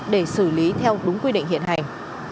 để xử lý theo đúng quy định hiện hành